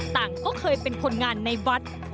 ต่างก็เคยเป็นคนงานในวัด